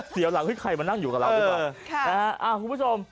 เสี่ยวหลังว่าใครมานั่งอยู่กับเราดีกว่า